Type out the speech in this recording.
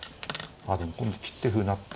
ああでも今度切って歩成って。